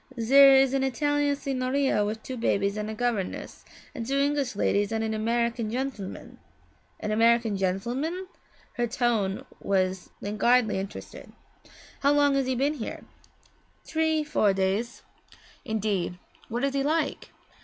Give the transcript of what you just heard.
Zer is an Italian signora wif two babies and a governess, and two English ladies and an American gentleman ' 'An American gentleman?' Her tone was languidly interested. 'How long has he been here?' 'Tree four days.' 'Indeed what is he like?'